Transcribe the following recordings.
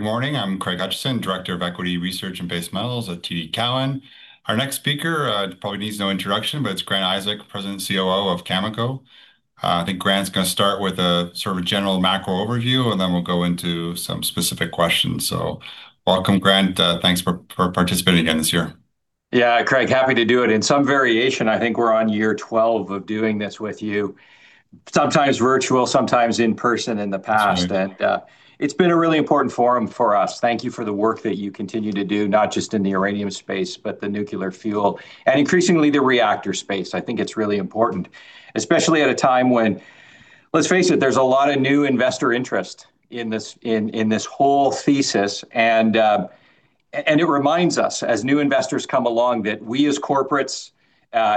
Good morning. I'm Craig Hutchison, Director of Equity Research and Base Metals at TD Cowen. Our next speaker probably needs no introduction, but it's Grant Isaac, President and COO of Cameco. I think Grant's going to start with a sort of general macro overview, and then we'll go into some specific questions. So welcome, Grant. Thanks for participating again this year. Yeah, Craig, happy to do it. In some variation, I think we're on year 12 of doing this with you. Sometimes virtual, sometimes in person in the past, and it's been a really important forum for us. Thank you for the work that you continue to do, not just in the uranium space, but the nuclear fuel and increasingly the reactor space. I think it's really important, especially at a time when, let's face it, there's a lot of new investor interest in this whole thesis. And it reminds us, as new investors come along, that we as corporates,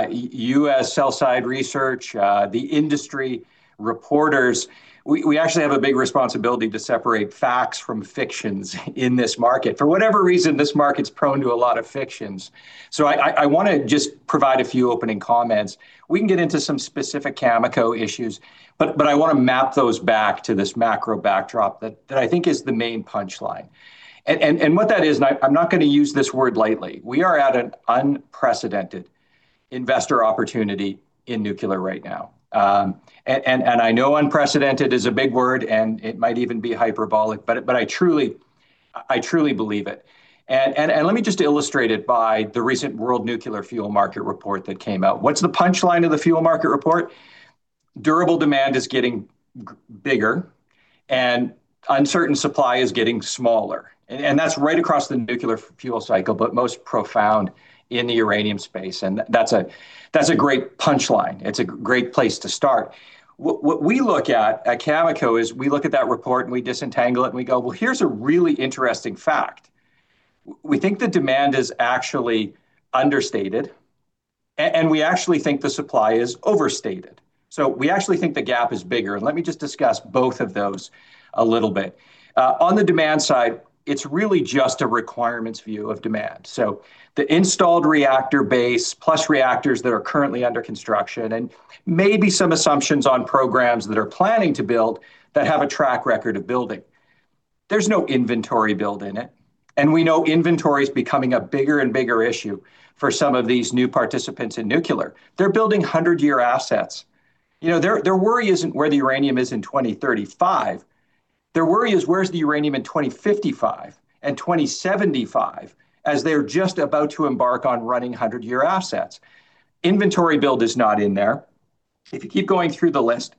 you as sell-side research, the industry, reporters, we actually have a big responsibility to separate facts from fictions in this market. For whatever reason, this market's prone to a lot of fictions, so I want to just provide a few opening comments. We can get into some specific Cameco issues, but I want to map those back to this macro backdrop that I think is the main punchline, and what that is, and I'm not going to use this word lightly, we are at an unprecedented investor opportunity in nuclear right now, and I know unprecedented is a big word, and it might even be hyperbolic, but I truly believe it, and let me just illustrate it by the recent World Nuclear Fuel Market Report that came out. What's the punchline of the fuel market report? Durable demand is getting bigger and uncertain supply is getting smaller, and that's right across the nuclear fuel cycle, but most profound in the uranium space, and that's a great punchline. It's a great place to start. What we look at at Cameco is we look at that report and we disentangle it and we go, well, here's a really interesting fact. We think the demand is actually understated, and we actually think the supply is overstated. So we actually think the gap is bigger, and let me just discuss both of those a little bit. On the demand side, it's really just a requirements view of demand. So the installed reactor base plus reactors that are currently under construction and maybe some assumptions on programs that are planning to build that have a track record of building. There's no inventory build in it, and we know inventory is becoming a bigger and bigger issue for some of these new participants in nuclear. They're building 100-year assets. Their worry isn't where the uranium is in 2035. Their worry is where's the uranium in 2055 and 2075 as they're just about to embark on running 100-year assets. Inventory build is not in there. If you keep going through the list,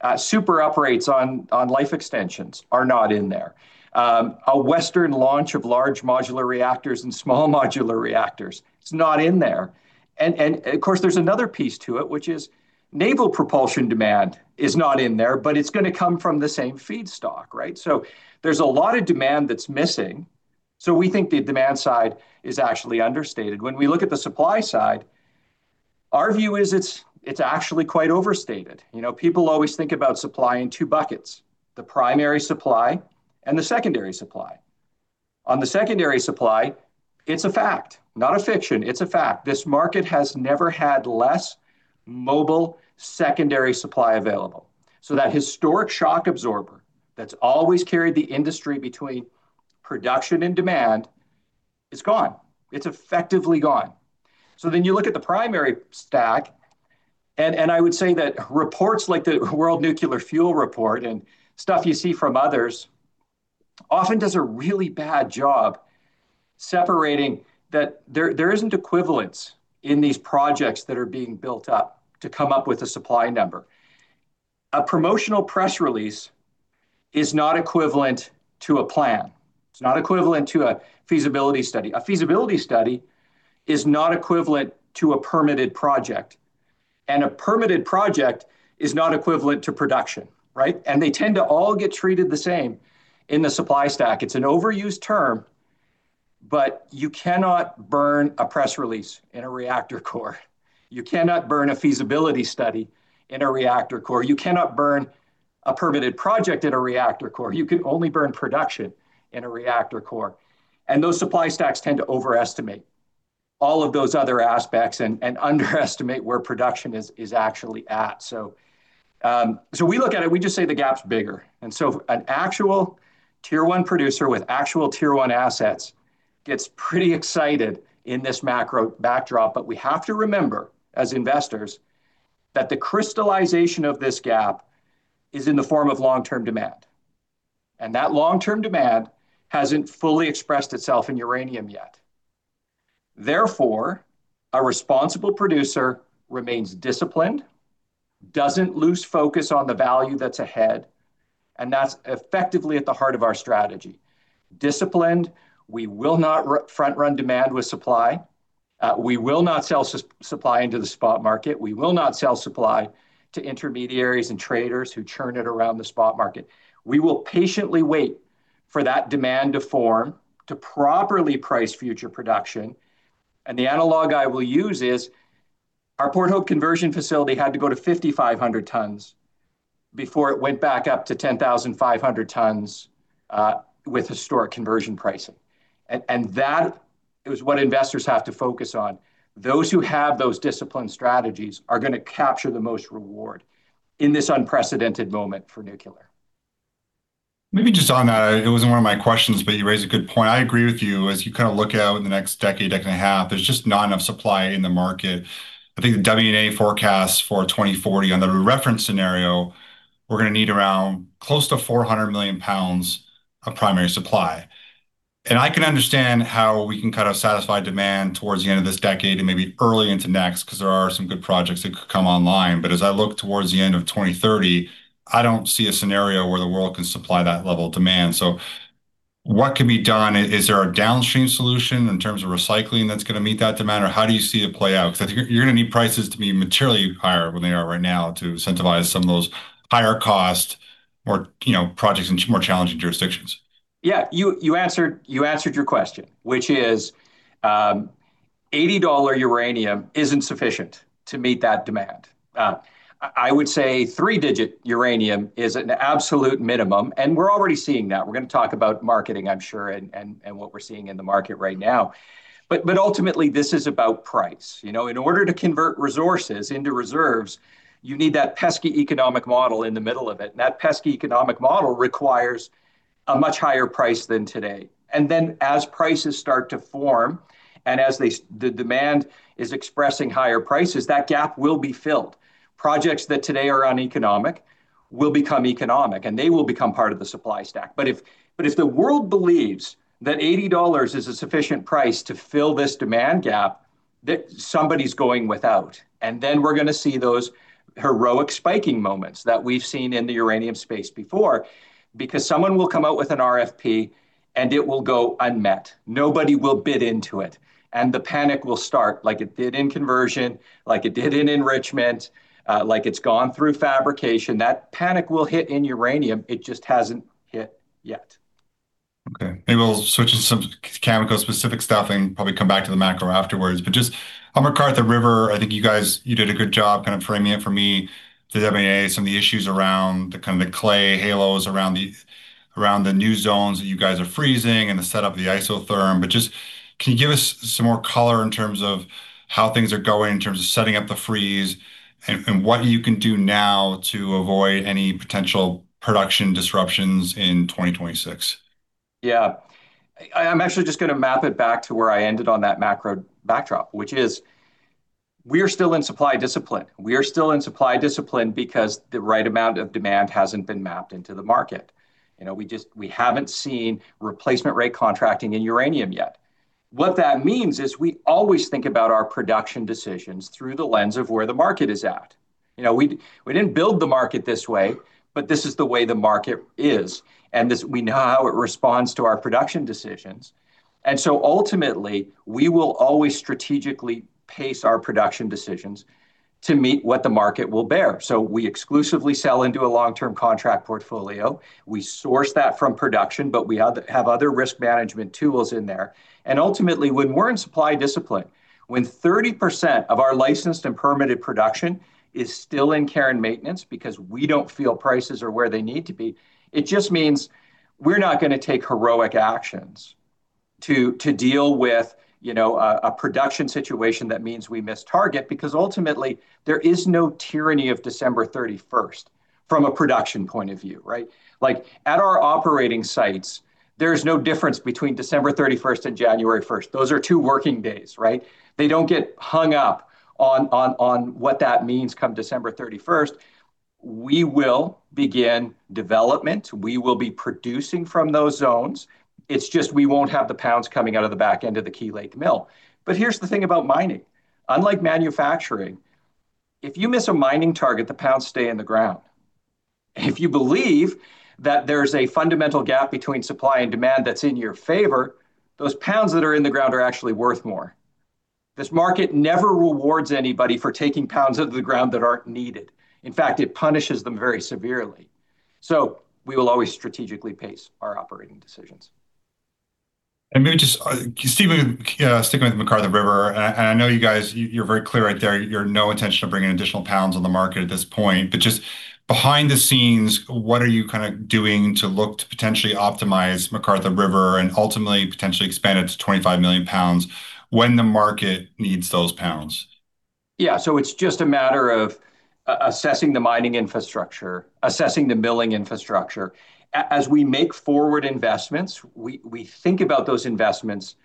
subsequent operating licenses on life extensions are not in there. A Western launch of large modular reactors and small modular reactors, it's not in there. And of course, there's another piece to it, which is naval propulsion demand is not in there, but it's going to come from the same feedstock, right? So there's a lot of demand that's missing. So we think the demand side is actually understated. When we look at the supply side, our view is it's actually quite overstated. People always think about supply in two buckets: the primary supply and the secondary supply. On the secondary supply, it's a fact, not a fiction. It's a fact. This market has never had less mobile secondary supply available. So that historic shock absorber that's always carried the industry between production and demand is gone. It's effectively gone. So then you look at the primary stack, and I would say that reports like the World Nuclear Fuel Report and stuff you see from others often does a really bad job separating that there isn't equivalence in these projects that are being built up to come up with a supply number. A promotional press release is not equivalent to a plan. It's not equivalent to a feasibility study. A feasibility study is not equivalent to a permitted project. And a permitted project is not equivalent to production, right? And they tend to all get treated the same in the supply stack. It's an overused term, but you cannot burn a press release in a reactor core. You cannot burn a feasibility study in a reactor core. You cannot burn a permitted project in a reactor core. You can only burn production in a reactor core, and those supply stacks tend to overestimate all of those other aspects and underestimate where production is actually at, so we look at it. We just say the gap's bigger, and so an actual Tier One producer with actual Tier One assets gets pretty excited in this macro backdrop, but we have to remember as investors that the crystallization of this gap is in the form of long-term demand, and that long-term demand hasn't fully expressed itself in uranium yet. Therefore, a responsible producer remains disciplined, doesn't lose focus on the value that's ahead, and that's effectively at the heart of our strategy. Disciplined, we will not front-run demand with supply. We will not sell supply into the spot market. We will not sell supply to intermediaries and traders who churn it around the spot market. We will patiently wait for that demand to form to properly price future production. And the analog I will use is our Port Hope conversion facility had to go to 5,500 tons before it went back up to 10,500 tons with historic conversion pricing. And that is what investors have to focus on. Those who have those disciplined strategies are going to capture the most reward in this unprecedented moment for nuclear. Maybe just on that, it wasn't one of my questions, but you raised a good point. I agree with you. As you kind of look out in the next decade, decade and a half, there's just not enough supply in the market. I think the WNA forecasts for 2040, under the reference scenario, we're going to need around close to 400 million pounds of primary supply. And I can understand how we can kind of satisfy demand towards the end of this decade and maybe early into next, because there are some good projects that could come online. But as I look towards the end of 2030, I don't see a scenario where the world can supply that level of demand. So what can be done? Is there a downstream solution in terms of recycling that's going to meet that demand? Or how do you see it play out? Because I think you're going to need prices to be materially higher than they are right now to incentivize some of those higher cost projects in more challenging jurisdictions. Yeah, you answered your question, which is $80 uranium isn't sufficient to meet that demand. I would say three-digit uranium is an absolute minimum. And we're already seeing that. We're going to talk about marketing, I'm sure, and what we're seeing in the market right now. But ultimately, this is about price. In order to convert resources into reserves, you need that pesky economic model in the middle of it. And that pesky economic model requires a much higher price than today. And then as prices start to form and as the demand is expressing higher prices, that gap will be filled. Projects that today are uneconomic will become economic, and they will become part of the supply stack. But if the world believes that $80 is a sufficient price to fill this demand gap, that somebody's going without. Then we're going to see those heroic spiking moments that we've seen in the uranium space before, because someone will come out with an RFP and it will go unmet. Nobody will bid into it. The panic will start like it did in conversion, like it did in enrichment, like it's gone through fabrication. That panic will hit in uranium. It just hasn't hit yet. Okay. Maybe we'll switch to some Cameco specific stuff and probably come back to the macro afterwards. But just on McArthur River, I think you guys did a good job kind of framing it for me, the WNA, some of the issues around the kind of the clay halos around the new zones that you guys are freezing and the setup of the isotherm. But just can you give us some more color in terms of how things are going in terms of setting up the freeze and what you can do now to avoid any potential production disruptions in 2026? Yeah. I'm actually just going to map it back to where I ended on that macro backdrop, which is we are still in supply discipline. We are still in supply discipline because the right amount of demand hasn't been mapped into the market. We haven't seen replacement rate contracting in uranium yet. What that means is we always think about our production decisions through the lens of where the market is at. We didn't build the market this way, but this is the way the market is. And we know how it responds to our production decisions. And so ultimately, we will always strategically pace our production decisions to meet what the market will bear. So we exclusively sell into a long-term contract portfolio. We source that from production, but we have other risk management tools in there. And ultimately, when we're in supply discipline, when 30% of our licensed and permitted production is still in Care and Maintenance because we don't feel prices are where they need to be, it just means we're not going to take heroic actions to deal with a production situation that means we miss target, because ultimately, there is no tyranny of December 31st from a production point of view, right? Like at our operating sites, there's no difference between December 31st and January 1st. Those are two working days, right? They don't get hung up on what that means come December 31st. We will begin development. We will be producing from those zones. It's just we won't have the pounds coming out of the back end of the Key Lake mill. But here's the thing about mining. Unlike manufacturing, if you miss a mining target, the pounds stay in the ground. If you believe that there's a fundamental gap between supply and demand that's in your favor, those pounds that are in the ground are actually worth more. This market never rewards anybody for taking pounds out of the ground that aren't needed. In fact, it punishes them very severely. So we will always strategically pace our operating decisions. Maybe just sticking with McArthur River, and I know you guys, you're very clear right there. You have no intention of bringing additional pounds on the market at this point. Just behind the scenes, what are you kind of doing to look to potentially optimize McArthur River and ultimately potentially expand it to 25 million pounds when the market needs those pounds? Yeah, so it's just a matter of assessing the mining infrastructure, assessing the milling infrastructure. As we make forward investments, we think about those investments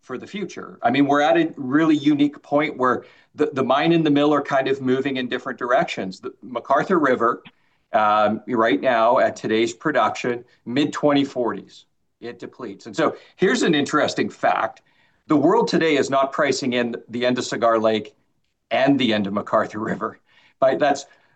for the future. I mean, we're at a really unique point where the mine and the mill are kind of moving in different directions. McArthur River right now at today's production, mid-2040s, it depletes, and so here's an interesting fact. The world today is not pricing in the end of Cigar Lake and the end of McArthur River.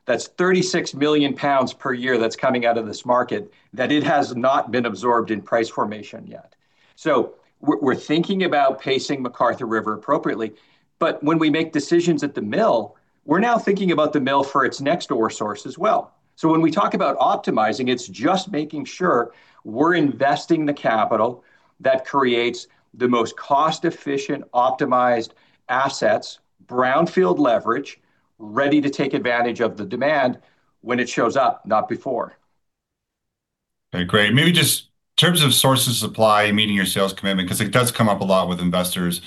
That's 36 million pounds per year that's coming out of this market that it has not been absorbed in price formation yet, so we're thinking about pacing McArthur River appropriately, but when we make decisions at the mill, we're now thinking about the mill for its next door source as well. So when we talk about optimizing, it's just making sure we're investing the capital that creates the most cost-efficient, optimized assets, brownfield leverage, ready to take advantage of the demand when it shows up, not before. Okay, great. Maybe just in terms of source and supply meeting your sales commitment, because it does come up a lot with investors.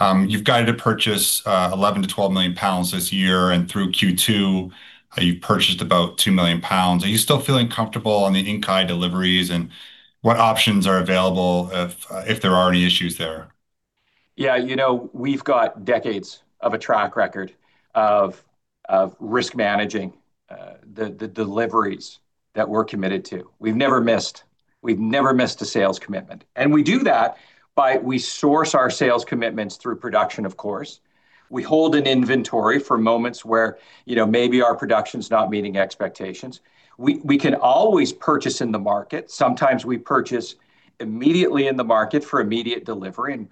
You've guided a purchase of 11-12 million pounds this year. And through Q2, you've purchased about two million pounds. Are you still feeling comfortable on the in-kind deliveries? And what options are available if there are any issues there? Yeah, you know we've got decades of a track record of risk managing the deliveries that we're committed to. We've never missed. We've never missed a sales commitment. And we do that by we source our sales commitments through production, of course. We hold an inventory for moments where maybe our production's not meeting expectations. We can always purchase in the market. Sometimes we purchase immediately in the market for immediate delivery. And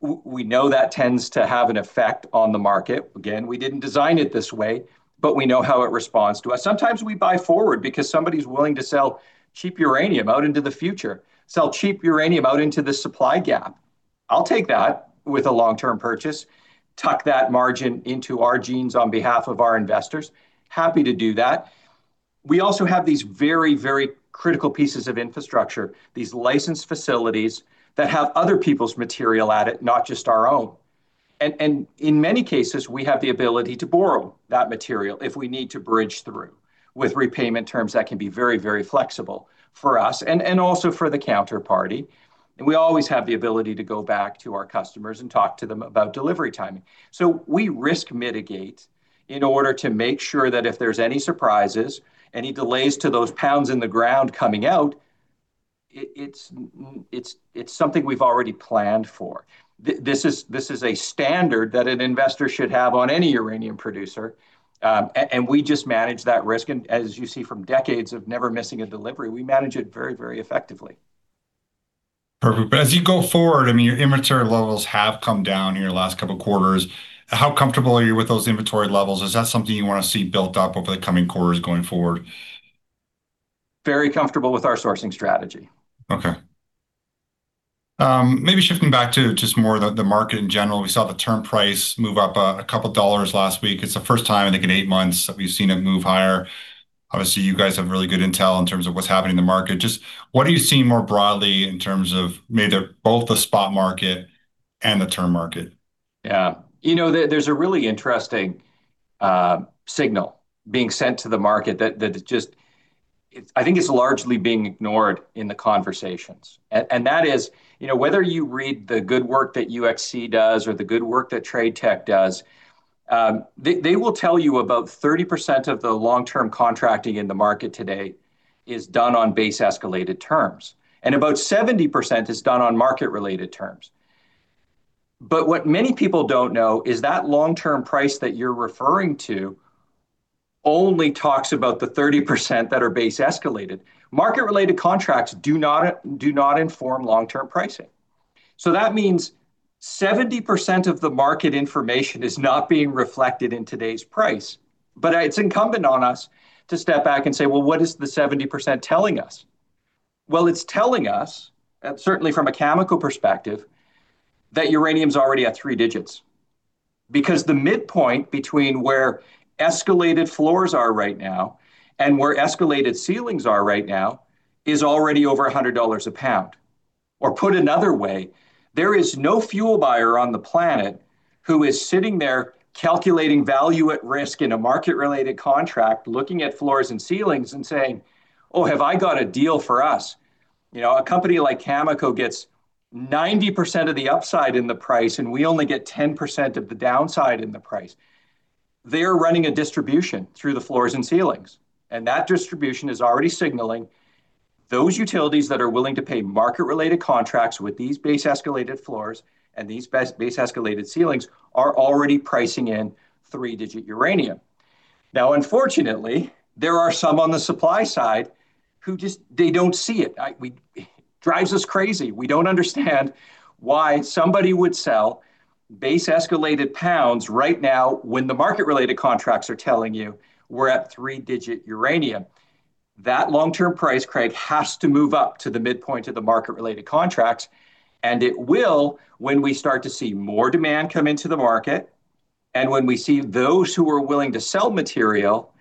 we know that tends to have an effect on the market. Again, we didn't design it this way, but we know how it responds to us. Sometimes we buy forward because somebody's willing to sell cheap uranium out into the future, sell cheap uranium out into the supply gap. I'll take that with a long-term purchase, tuck that margin into our jeans on behalf of our investors. Happy to do that. We also have these very, very critical pieces of infrastructure, these licensed facilities that have other people's material at it, not just our own, and in many cases, we have the ability to borrow that material if we need to bridge through with repayment terms that can be very, very flexible for us and also for the counterparty, and we always have the ability to go back to our customers and talk to them about delivery timing, so we risk mitigate in order to make sure that if there's any surprises, any delays to those pounds in the ground coming out, it's something we've already planned for. This is a standard that an investor should have on any uranium producer, and we just manage that risk, and as you see from decades of never missing a delivery, we manage it very, very effectively. Perfect. But as you go forward, I mean, your inventory levels have come down here the last couple of quarters. How comfortable are you with those inventory levels? Is that something you want to see built up over the coming quarters going forward? Very comfortable with our sourcing strategy. Okay. Maybe shifting back to just more of the market in general. We saw the term price move up a couple of dollars last week. It's the first time in eight months that we've seen it move higher. Obviously, you guys have really good intel in terms of what's happening in the market. Just what are you seeing more broadly in terms of maybe both the spot market and the term market? Yeah. You know there's a really interesting signal being sent to the market that just I think it's largely being ignored in the conversations. And that is whether you read the good work that UxC does or the good work that TradeTech does, they will tell you about 30% of the long-term contracting in the market today is done on base escalated terms. And about 70% is done on market-related terms. But what many people don't know is that long-term price that you're referring to only talks about the 30% that are base escalated. Market-related contracts do not inform long-term pricing. So that means 70% of the market information is not being reflected in today's price. But it's incumbent on us to step back and say, well, what is the 70% telling us? Well, it's telling us, certainly from a Cameco perspective, that uranium's already at three digits. Because the midpoint between where escalated floors are right now and where escalated ceilings are right now is already over $100 a pound. Or put another way, there is no fuel buyer on the planet who is sitting there calculating value at risk in a market-related contract, looking at floors and ceilings and saying, oh, have I got a deal for us? A company like Cameco gets 90% of the upside in the price, and we only get 10% of the downside in the price. They're running a distribution through the floors and ceilings. And that distribution is already signaling those utilities that are willing to pay market-related contracts with these base escalated floors and these base escalated ceilings are already pricing in three-digit uranium. Now, unfortunately, there are some on the supply side who just they don't see it. It drives us crazy. We don't understand why somebody would sell base escalated pounds right now when the market-related contracts are telling you we're at three-digit uranium. That long-term price, Craig, has to move up to the midpoint of the market-related contracts. And it will when we start to see more demand come into the market and when we see those who are willing to sell material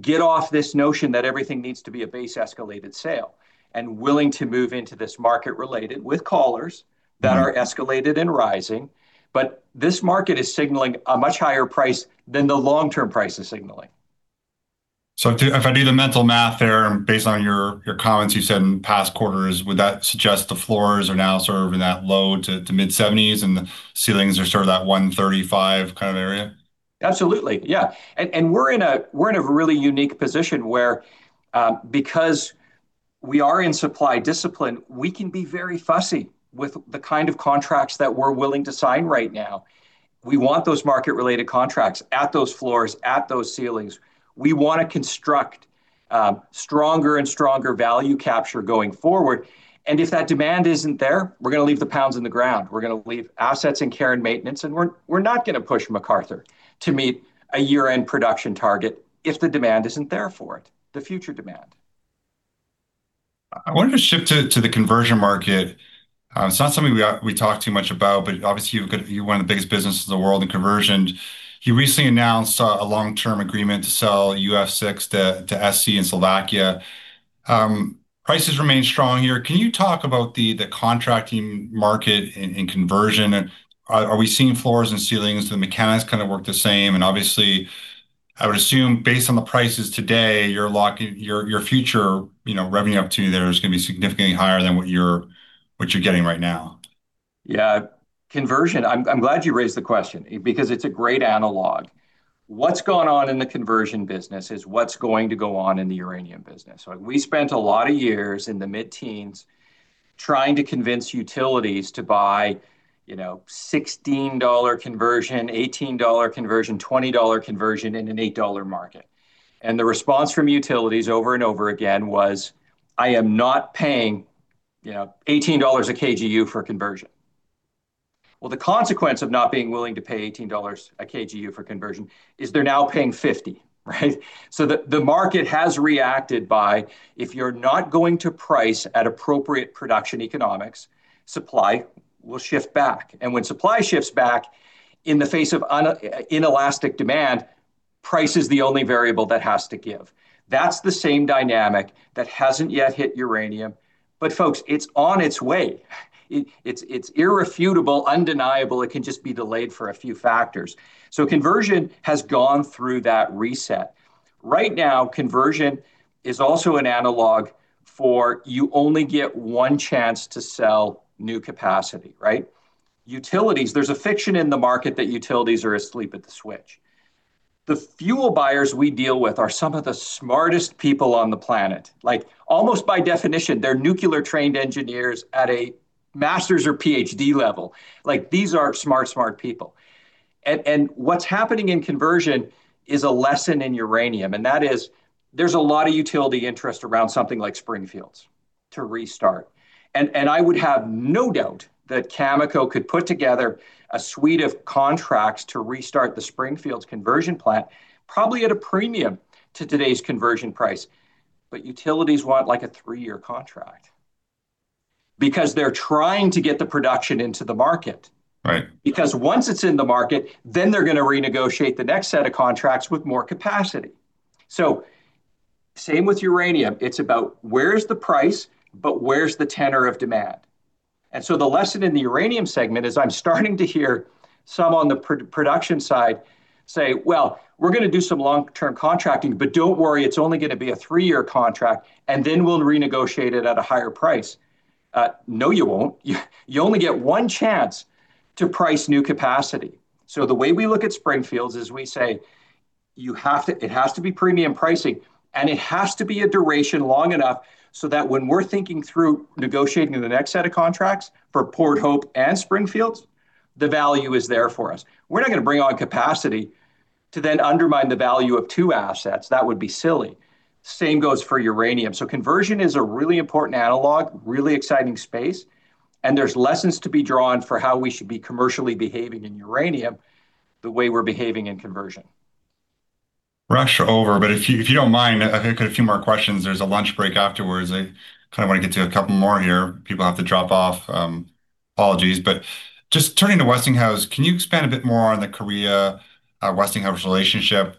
get off this notion that everything needs to be a base escalated sale and willing to move into this market-related with collars that are escalated and rising. But this market is signaling a much higher price than the long-term price is signaling. So if I do the mental math there based on your comments you said in past quarters, would that suggest the floors are now sort of in that low to mid-70s and the ceilings are sort of that 135 kind of area? Absolutely. Yeah, and we're in a really unique position where because we are in supply discipline, we can be very fussy with the kind of contracts that we're willing to sign right now. We want those market-related contracts at those floors, at those ceilings. We want to construct stronger and stronger value capture going forward. And if that demand isn't there, we're going to leave the pounds in the ground. We're going to leave assets in care and maintenance. And we're not going to push McArthur to meet a year-end production target if the demand isn't there for it, the future demand. I wanted to shift to the conversion market. It's not something we talk too much about, but obviously you're one of the biggest businesses in the world in conversion. You recently announced a long-term agreement to sell UF6 to SE in Slovakia. Prices remain strong here. Can you talk about the contracting market in conversion? Are we seeing floors and ceilings? Do the mechanics kind of work the same? And obviously, I would assume based on the prices today, your future revenue opportunity there is going to be significantly higher than what you're getting right now. Yeah. Conversion, I'm glad you raised the question because it's a great analog. What's gone on in the conversion business is what's going to go on in the uranium business. We spent a lot of years in the mid-teens trying to convince utilities to buy $16 conversion, $18 conversion, $20 conversion in an $8 market. And the response from utilities over and over again was, I am not paying $18 a kgU for conversion. Well, the consequence of not being willing to pay $18 a kgU for conversion is they're now paying $50, right? So the market has reacted by if you're not going to price at appropriate production economics, supply will shift back. And when supply shifts back in the face of inelastic demand, price is the only variable that has to give. That's the same dynamic that hasn't yet hit uranium. But folks, it's on its way. It's irrefutable, undeniable. It can just be delayed for a few factors, so conversion has gone through that reset. Right now, conversion is also an analog for you only get one chance to sell new capacity, right? Utilities, there's a fiction in the market that utilities are asleep at the switch. The fuel buyers we deal with are some of the smartest people on the planet. Like almost by definition, they're nuclear-trained engineers at a master's or PhD level. Like these are smart, smart people, and what's happening in conversion is a lesson in uranium, and that is there's a lot of utility interest around something like Springfields to restart, and I would have no doubt that Cameco could put together a suite of contracts to restart the Springfields conversion plant, probably at a premium to today's conversion price. But utilities want like a three-year contract because they're trying to get the production into the market. Because once it's in the market, then they're going to renegotiate the next set of contracts with more capacity. So same with uranium. It's about where's the price, but where's the tenor of demand? And so the lesson in the uranium segment is I'm starting to hear some on the production side say, well, we're going to do some long-term contracting, but don't worry, it's only going to be a three-year contract, and then we'll renegotiate it at a higher price. No, you won't. You only get one chance to price new capacity. The way we look at Springfields is we say, it has to be premium pricing, and it has to be a duration long enough so that when we're thinking through negotiating the next set of contracts for Port Hope and Springfields, the value is there for us. We're not going to bring on capacity to then undermine the value of two assets. That would be silly. Same goes for uranium. Conversion is a really important analog, really exciting space. There's lessons to be drawn for how we should be commercially behaving in uranium the way we're behaving in conversion. Rush over, but if you don't mind, I've got a few more questions. There's a lunch break afterwards. I kind of want to get to a couple more here. People have to drop off. Apologies. But just turning to Westinghouse, can you expand a bit more on the Korea-Westinghouse relationship?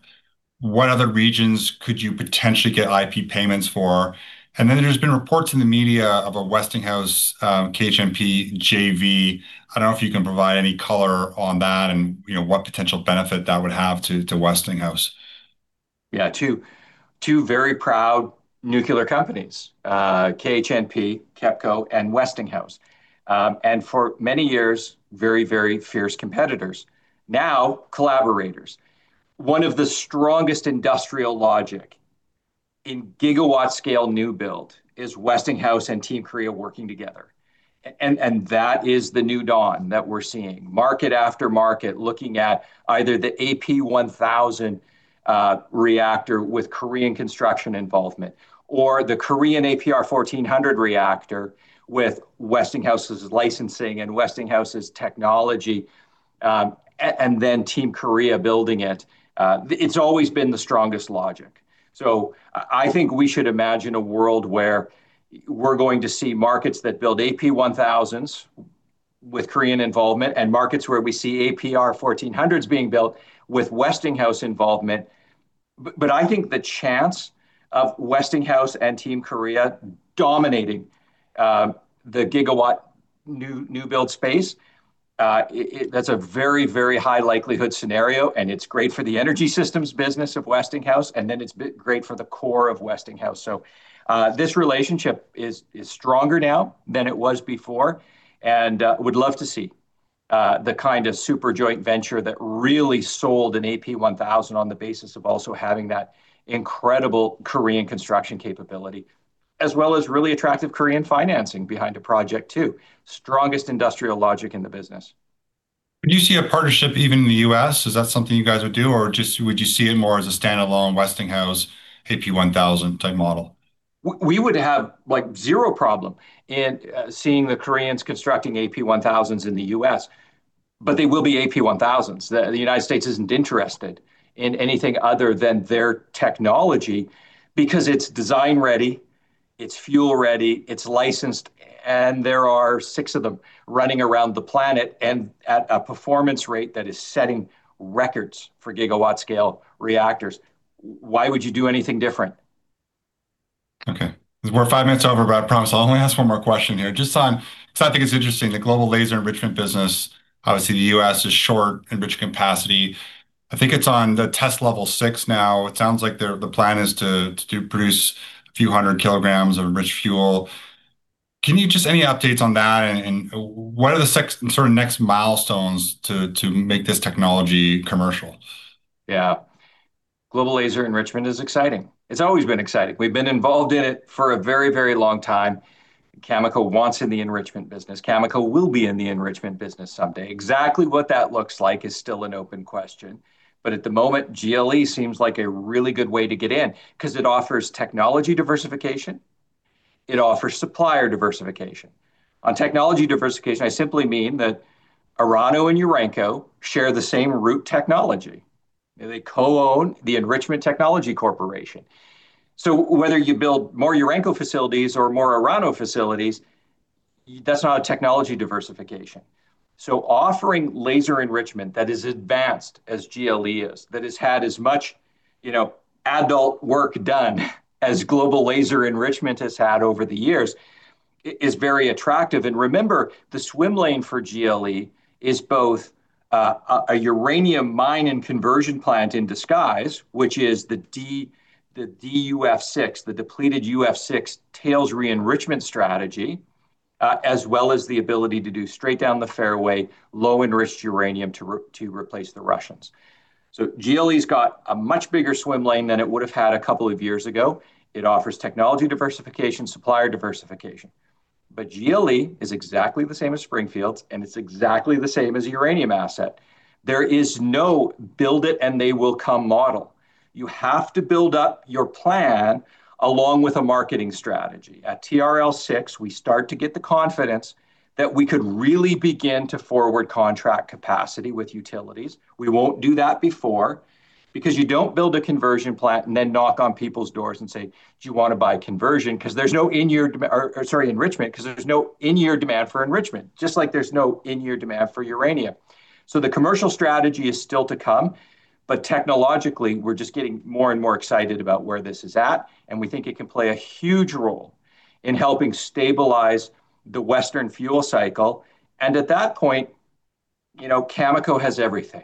What other regions could you potentially get IP payments for? And then there's been reports in the media of a Westinghouse KHNP JV. I don't know if you can provide any color on that and what potential benefit that would have to Westinghouse. Yeah, two very proud nuclear companies, KHNP, KEPCO, and Westinghouse. And for many years, very, very fierce competitors. Now collaborators. One of the strongest industrial logic in gigawatt scale new build is Westinghouse and Team Korea working together. And that is the new dawn that we're seeing. Market after market looking at either the AP1000 reactor with Korean construction involvement or the Korean APR1400 reactor with Westinghouse's licensing and Westinghouse's technology and then Team Korea building it. It's always been the strongest logic. So I think we should imagine a world where we're going to see markets that build AP1000s with Korean involvement and markets where we see APR1400s being built with Westinghouse involvement. But I think the chance of Westinghouse and Team Korea dominating the gigawatt new build space, that's a very, very high likelihood scenario. And it's great for the energy systems business of Westinghouse. And then it's great for the core of Westinghouse. So this relationship is stronger now than it was before. And I would love to see the kind of super joint venture that really sold an AP1000 on the basis of also having that incredible Korean construction capability, as well as really attractive Korean financing behind a project too. Strongest industrial logic in the business. Would you see a partnership even in the U.S.? Is that something you guys would do? Or just would you see it more as a standalone Westinghouse AP1000 type model? We would have like zero problem in seeing the Koreans constructing AP1000s in the U.S. But they will be AP1000s. The United States isn't interested in anything other than their technology because it's design ready, it's fuel ready, it's licensed, and there are six of them running around the planet and at a performance rate that is setting records for gigawatt scale reactors. Why would you do anything different? Okay. We're five minutes over, but I promise I'll only ask one more question here. Just because I think it's interesting, the Global Laser Enrichment business, obviously the U.S. is short enriched capacity. I think it's on the TRL 6 now. It sounds like the plan is to produce a few hundred kilograms of enriched fuel. Can you just any updates on that? And what are the sort of next milestones to make this technology commercial? Yeah. Global Laser Enrichment is exciting. It's always been exciting. We've been involved in it for a very, very long time. Cameco wants in the enrichment business. Cameco will be in the enrichment business someday. Exactly what that looks like is still an open question. But at the moment, GLE seems like a really good way to get in because it offers technology diversification. It offers supplier diversification. On technology diversification, I simply mean that Orano and Urenco share the same root technology. They co-own the Enrichment Technology Company. So whether you build more Urenco facilities or more Orano facilities, that's not a technology diversification. So offering laser enrichment that is advanced as GLE is, that has had as much adult work done as Global Laser Enrichment has had over the years is very attractive. And remember, the swim lane for GLE is both a uranium mine and conversion plant in disguise, which is the DUF6, the depleted UF6 tails re-enrichment strategy, as well as the ability to do straight down the fairway low-enriched uranium to replace the Russians. So GLE's got a much bigger swim lane than it would have had a couple of years ago. It offers technology diversification, supplier diversification. But GLE is exactly the same as Springfields, and it's exactly the same as uranium asset. There is no build it and they will come model. You have to build up your plan along with a marketing strategy. At TRL6, we start to get the confidence that we could really begin to forward contract capacity with utilities. We won't do that before because you don't build a conversion plant and then knock on people's doors and say, do you want to buy conversion, because there's no in-year enrichment because there's no in-year demand for enrichment, just like there's no in-year demand for uranium, so the commercial strategy is still to come, but technologically, we're just getting more and more excited about where this is at, and we think it can play a huge role in helping stabilize the Western fuel cycle, and at that point, Cameco has everything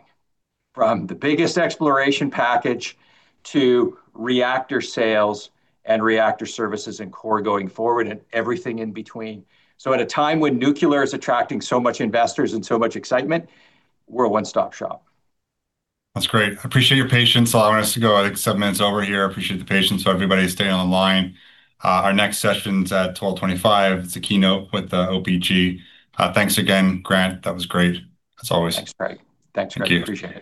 from the biggest exploration package to reactor sales and reactor services and core going forward and everything in between, so at a time when nuclear is attracting so much investors and so much excitement, we're a one-stop shop. That's great. I appreciate your patience. I want us to go like seven minutes over here. I appreciate the patience. So everybody stay on the line. Our next session's at 12:25 P.M. It's a keynote with OPG. Thanks again, Grant. That was great. As always. Thanks, Grant. Thanks very much. Thank you.